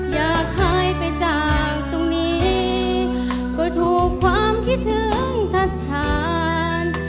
อยากหายไปจากตรงนี้ก็ถูกความคิดถึงทัศน